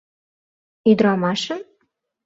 Ӱдырамашым?